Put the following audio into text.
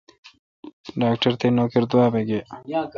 ڈاکٹر تے نوکر دوابہ گئے۔